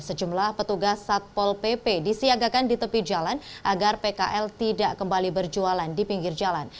sejumlah petugas satpol pp disiagakan di tepi jalan agar pkl tidak kembali berjualan di pinggir jalan